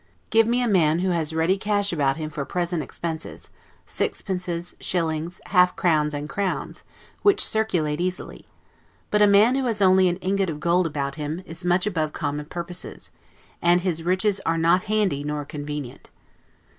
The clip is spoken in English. Give me a man who has ready cash about him for present expenses; sixpences, shillings, half crowns, and crowns, which circulate easily: but a man who has only an ingot of gold about him, is much above common purposes, and his riches are not handy nor convenient.